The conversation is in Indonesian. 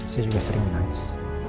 saya juga sering menangis